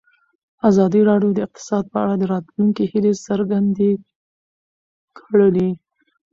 ازادي راډیو د اقتصاد په اړه د راتلونکي هیلې څرګندې کړې.